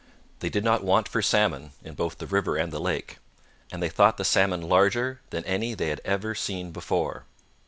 They did not want for salmon, in both the river and the lake; and they thought the salmon larger than any they had ever seen before.